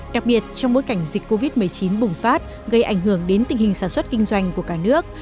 đặc biệt trong bối cảnh dịch covid một mươi chín bùng phát gây ảnh hưởng đến tình hình sản xuất kinh doanh của cả nước